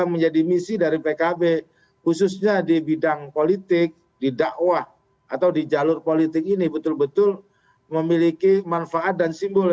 menjadi misi dari pkb khususnya di bidang politik di dakwah atau di jalur politik ini betul betul memiliki manfaat dan simbol